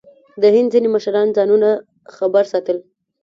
د هند ځینې مشران ځانونه خبر ساتل.